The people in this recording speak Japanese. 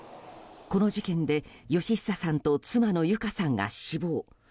この事件で、嘉久さんと妻の友香さんが死亡。